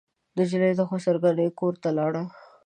نجلۍ د خسر ګنې کورته لاړه.